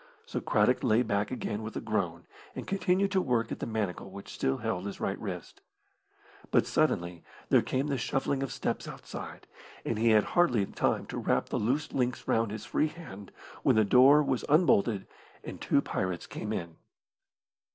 So Craddock lay back again with a groan, and continued to work at the manacle which still held his right wrist. But suddenly there came the shuffling of steps outside, and he had hardly time to wrap the loose links round his free hand, when the door was unbolted and two pirates came in.